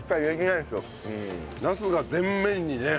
なすが前面にね。